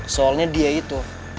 soalnya dia itu